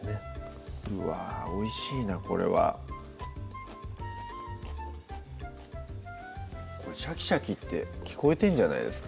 うわおいしいなこれはこれ「シャキシャキ」って聞こえてんじゃないですか？